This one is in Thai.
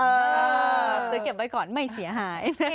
ซื้อเก็บไว้ก่อนไม่เสียหาย